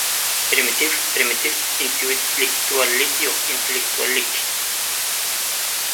Primitiv, primitiv! Intellektuallik yo‘q, intellektuallik!